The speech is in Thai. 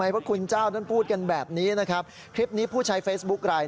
คุณพระคุณเจ้าการทำบุญก็แล้วแต่คุณพระคุณเจ้าการทำบุญก็แล้วแต่